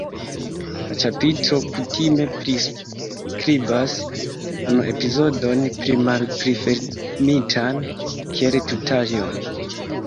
La ĉapitro kutime priskribas unu epizodon pli malpli fermitan kiel tutaĵon.